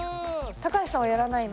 高橋さんはやらないの？